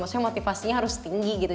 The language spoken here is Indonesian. maksudnya motivasinya harus tinggi gitu